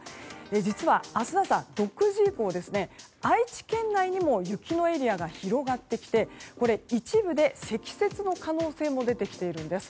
実は、明日朝６時以降愛知県内にも雪のエリアが広がってきて一部で積雪の可能性も出てきているんです。